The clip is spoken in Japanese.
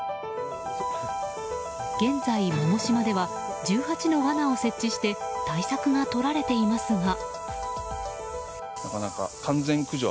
現在、百島では１８のわなを設置して対策がとられていますが。